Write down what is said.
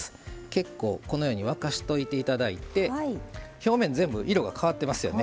結構このように沸かしておいていただいて表面全部色が変わってますよね。